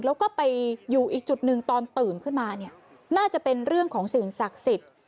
แล้วก็ไปอยู่อีกจุดหนึ่งตอนตื่นขึ้นมาเนี่ยน่าจะเป็นเรื่องของสิ่งศักดิ์สิทธิ์